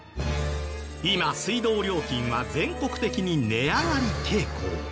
今水道料金は全国的に値上がり傾向。